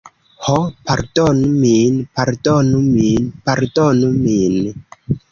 Ho, pardonu min. Pardonu min. Pardonu min.